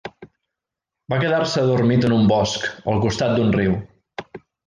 Va quedar-se adormit en un bosc al costat d'un riu.